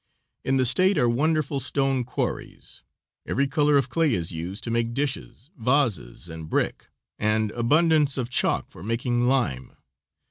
In the State are wonderful stone quarries. Every color of clay is used to make dishes, vases, and brick, and abundance of chalk for making lime.